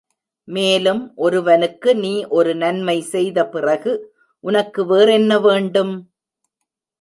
மேலும் ஒருவனுக்கு நீ ஒரு நன்மை செய்த பிறகு உனக்கு வேறென்ன வேண்டும்?